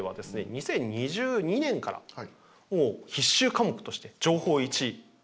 ２０２２年からもう必修科目として「情報Ⅰ」始まってます。